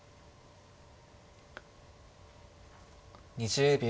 ２０秒。